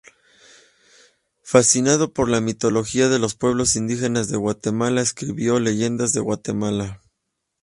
Fascinado por la mitología de los pueblos indígenas de Guatemala, escribió "Leyendas de Guatemala".